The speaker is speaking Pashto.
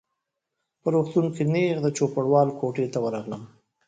په روغتون کي نیغ د چوپړوال کوټې ته ورغلم.